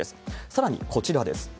さらにこちらです。